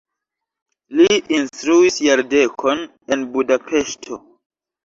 Li instruis jardekon en Budapeŝto.